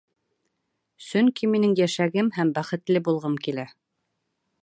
Сөнки минең йәшәгем һәм бәхетле булғым килә.